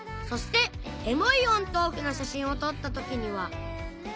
そしてエモいオンとオフの写真を撮った時には